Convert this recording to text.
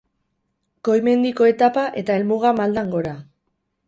Goi-mendiko etapa eta helmuga maldan gora.